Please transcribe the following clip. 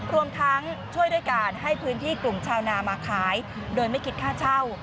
รวมทั้งช่วยด้วยการให้พื้นที่กลุ่มชาวนามาขายโดยไม่คิดค่าเช่า